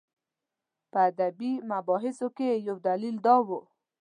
په ادبي مباحثو کې یې یو دلیل دا دی.